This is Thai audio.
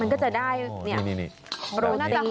มันก็จะได้เนี่ยโปรตีนน้ำพริก